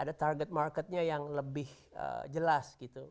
ada target marketnya yang lebih jelas gitu